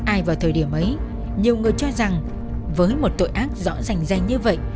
ai vào thời điểm ấy nhiều người cho rằng với một tội ác rõ rành rành như vậy